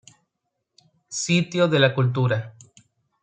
Sitio de la Cultura.